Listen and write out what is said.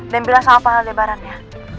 dan bilang sama pak haldebaran ya